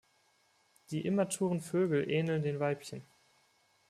Die immaturen Vögel ähneln den Weibchen.